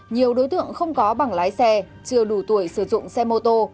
nhiều đối tượng không có bảng lái xe chưa đủ tuổi sử dụng xe mô tô